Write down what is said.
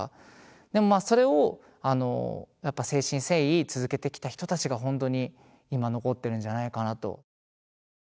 でもまあそれをあのやっぱ誠心誠意続けてきた人たちがほんとに今残ってるんじゃないかなと。